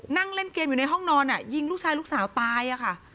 นั่งเล่นเกมอยู่ในห้องนอนยิงลูกชายลูกสาวตายค่ะ